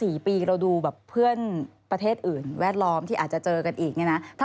๔ปีเราดูแบบเพื่อนประเทศอื่นแวดล้อมที่อาจจะเจอกันอีกเนี่ยนะ